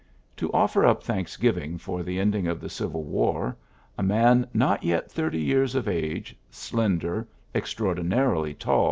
To offer up thanksgiving for the ending of the Civil War, a man not yet thirty years of age, slender, ex traordinarily ta.